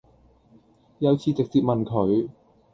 有次直接問佢